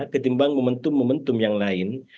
ketimbang momentum momentum yang lain